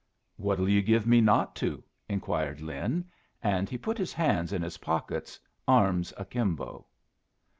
"What'll you give me not to?" inquired Lin, and he put his hands in his pockets, arms akimbo.